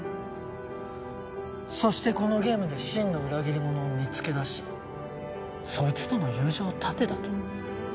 そして「このゲームで真の裏切り者を見つけ出しそいつとの友情を絶て」だと？